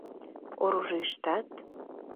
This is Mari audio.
Оружийыштат...